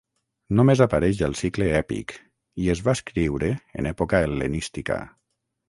Només apareix al Cicle èpic, i es va escriure en època hel·lenística.